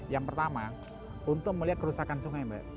yang pertama untuk melihat kerusakan sungai mbak